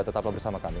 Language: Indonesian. tetap bersama kami